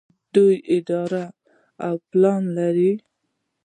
دوی اراده او پلان لري.